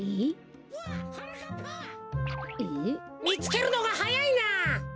みつけるのがはやいな。